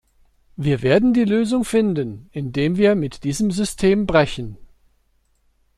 Wir werden die Lösung finden, indem wir mit diesem System brechen.